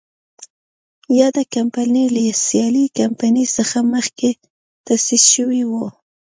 یاده کمپنۍ له سیالې کمپنۍ څخه مخکې تاسیس شوې وه.